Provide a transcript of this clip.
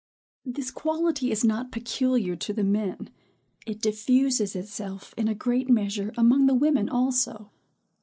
This quality is not peculiar to the men; it diffuses itself, in a great measure, among the women also.